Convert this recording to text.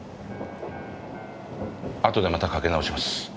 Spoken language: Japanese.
あとでまたかけ直します。